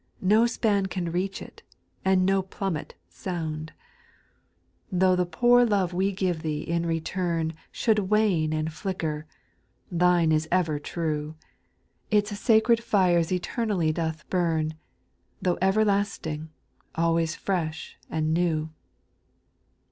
No span can reach it, and no plummet Bonii(], SPIRITUAL SONGS. 815 Tho' the poor love we give Thee in return Should wane and flicker, Thine is ever true, Its sacred fires eternally doth bum, Tho' everlasting, always fresh and new.